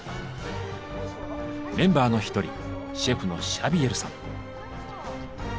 メンバーの一人シェフのシャビエルさん。